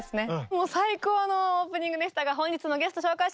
もう最高のオープニングでしたが本日のゲスト紹介します。